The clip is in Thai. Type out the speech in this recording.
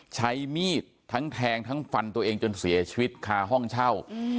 ใช้มีดทั้งแทงทั้งฟันตัวเองจนเสียชีวิตคาห้องเช่า